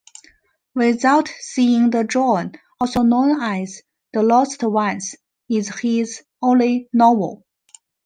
"Without Seeing the Dawn", also known as "The Lost Ones", is his only novel.